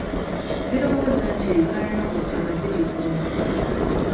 Sirowooza nti enkaayana ku ttaka ziriggwa.